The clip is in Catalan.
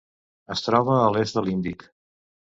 Es troba a l'est de l'Índic.